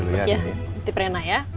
nanti prena ya